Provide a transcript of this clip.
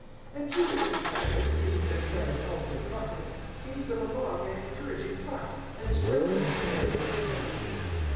015:032 And Judas and Silas, being themselves also Prophets, gave them a long and encouraging talk, and strengthened them in the faith.